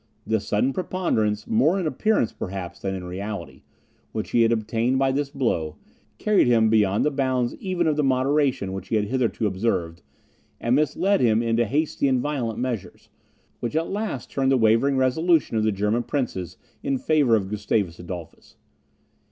The sudden preponderance, more in appearance, perhaps, than in reality, which he had obtained by this blow, carried him beyond the bounds even of the moderation which he had hitherto observed, and misled him into hasty and violent measures, which at last turned the wavering resolution of the German princes in favour of Gustavus Adolphus.